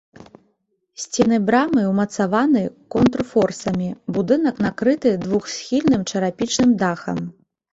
Сцены брамы ўмацаваны контрфорсамі, будынак накрыты двухсхільным чарапічным дахам.